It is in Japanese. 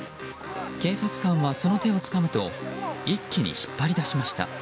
警察官はその手をつかむと一気に引っ張り出しました。